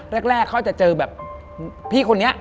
แรกเขาจะเจอแบบพี่คนนี้